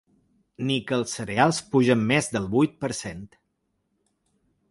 Ni que els cereals pugen més del vuit per cent.